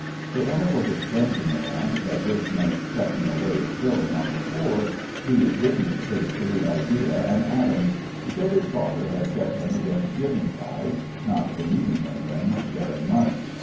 But when it was explained to Morrant that this meant chucking away a shilling on the poor, he didn't take to the idea an atom. He said his father had set him against giving tithes, not believing in them very much.